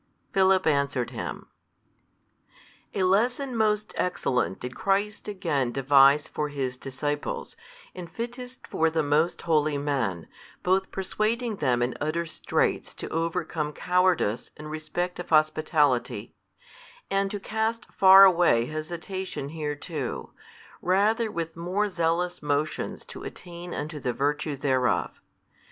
Philip answered Him, A lesson most excellent did Christ again devise for His |320 disciples, and fittest for the most holy men, both persuading them in utter straits to overcome cowardice in respect of hospitality, and to cast far away hesitation hereto, rather with more zealous motions to attain unto the virtue thereof.